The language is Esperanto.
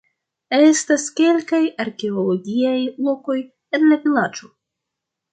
Estas kelkaj arkeologiaj lokoj en la vilaĝo.